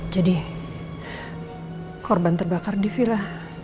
jadi korban terbakar di villa